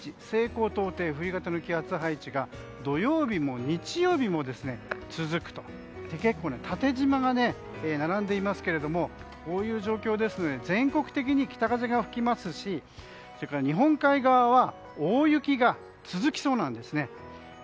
西高東低、冬型の気圧配置が土曜日も日曜日も続いて結構、縦じまが並んでいますけれどもこういう状況ですので全国的に北風が吹きますし、日本海側は大雪が続きそうなんです。